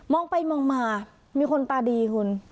องไปมองมามีคนตาดีคุณ